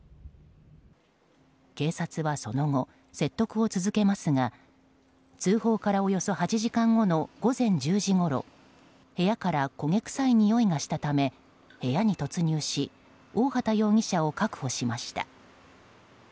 警察はその後説得を続けますが通報からおよそ８時間後の午前１０時ごろ部屋から焦げ臭いにおいがしたため部屋に突入し大畑容疑者を確保しました。